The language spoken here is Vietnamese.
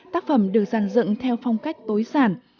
tác phẩm được dàn dựng theo phong cách tối giản